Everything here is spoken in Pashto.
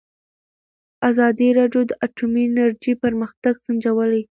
ازادي راډیو د اټومي انرژي پرمختګ سنجولی.